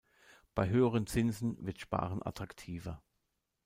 Bei höheren Zinsen wird Sparen attraktiver.